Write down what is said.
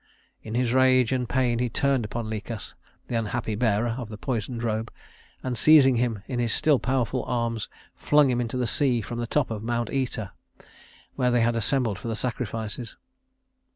In his rage and pain he turned upon Lichas, the unhappy bearer of the poisoned robe, and seizing him in his still powerful arms flung him into the sea from the top of Mount Œta, where they had assembled for the sacrifices.